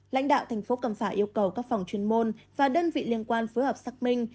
lãnh đạo tp cầm phà yêu cầu các phòng chuyên môn và đơn vị liên quan phối hợp xác minh